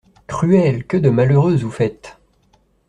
Cruel, que de malheureuses vous faites!